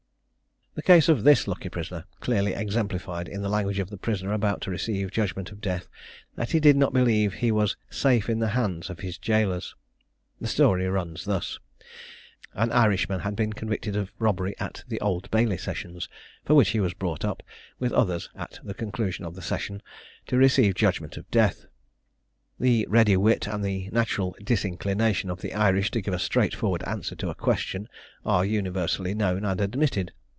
The case of this lucky prisoner clearly exemplified, in the language of the prisoner about to receive judgment of death, that he did not believe he was "safe in the hands" of his jailors. The story runs thus: An Irishman had been convicted of a robbery at the Old Bailey sessions, for which he was brought up, with others at the conclusion of the session, to receive judgment of death. The ready wit and the natural disinclination of the Irish to give a straightforward answer to a question, are universally known and admitted.